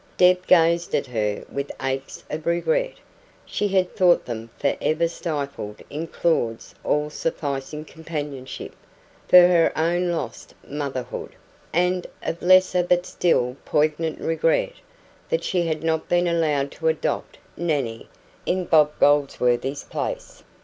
Deb gazed at her with aches of regret she had thought them for ever stifled in Claud's all sufficing companionship for her own lost motherhood, and of lesser but still poignant regret that she had not been allowed to adopt Nannie in Bob Goldsworthy's place.